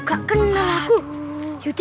tolong tunggu dulu